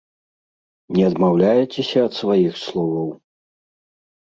Не адмаўляецеся ад сваіх словаў?